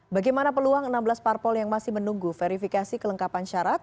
bagaimana peluang enam belas parpol yang masih menunggu verifikasi kelengkapan syarat